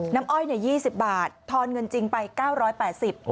อ้อย๒๐บาททอนเงินจริงไป๙๘๐บาท